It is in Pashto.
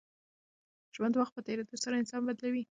ژوند د وخت په تېرېدو سره انسان بدلوي.